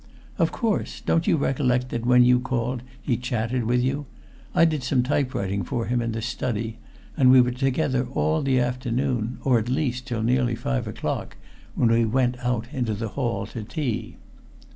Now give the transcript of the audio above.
"Of course. Don't you recollect that when you called he chatted with you? I did some typewriting for him in the study, and we were together all the afternoon or at least till nearly five o'clock, when we went out into the hall to tea."